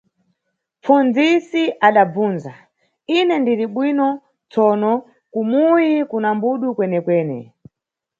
Mʼpfundzisi adabvundza, ine ndiribwino tsono kumuyi kuna mbudu kwenekwene.